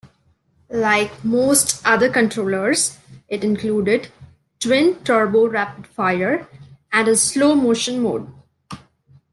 Like most other controllers, it included twin turbo rapid-fire and a slow motion mode.